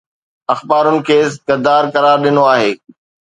اخبارن کيس غدار قرار ڏنو آهي